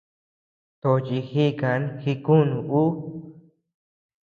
Tochi jikan jikunu ú.